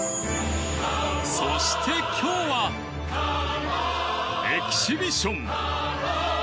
そして、今日はエキシビション。